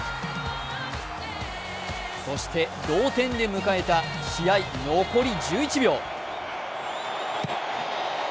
そして、同点で迎えた試合残り１１秒。